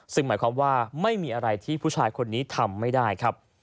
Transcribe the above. ซึ่งหมายความว่าไม่มีอะไรที่ผู้ชายคนนี้ทำไม่ได้ครับ